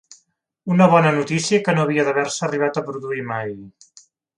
Una bona notícia que no havia d’haver-se arribat a produir mai.